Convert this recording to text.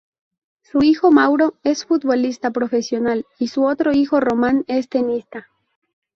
Su hijo Mauro es futbolista profesional, y su otro hijo Roman es tenista.